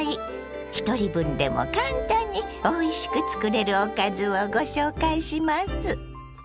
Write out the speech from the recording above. ひとり分でも簡単においしく作れるおかずをご紹介します。